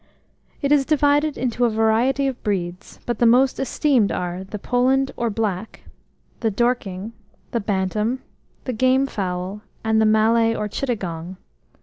It is divided into a variety of breeds, but the most esteemed are, the Poland or Black, the Dorking, the Bantam, the Game Fowl, and the Malay or Chittagong.